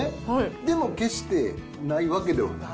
でも、決してないわけではない。